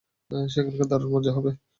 সেখানে দারুণ মজা হয়!